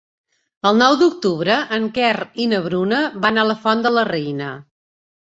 El nou d'octubre en Quer i na Bruna van a la Font de la Reina.